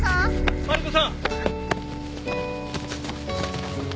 マリコさん？